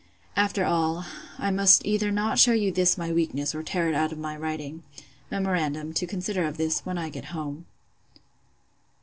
After all, I must either not shew you this my weakness, or tear it out of my writing. Memorandum: to consider of this, when I get home.